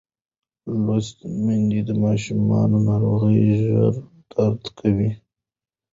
لوستې میندې د ماشوم ناروغۍ ژر درک کوي.